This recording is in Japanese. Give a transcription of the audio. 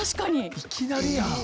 いきなりやん。